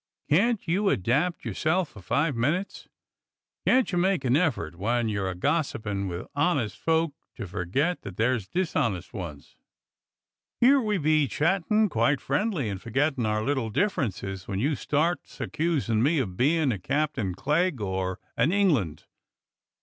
Can't you adapt your self for five minutes? Can't you make an effort w^hen you're a gossipin' with honest folk to forget that there is dishonest ones? I never did see the like. Here we be chattin' quite friendly, and forgettin' our little dif ferences, when you starts accusin' me of bein' a Cap tain Clegg or an England.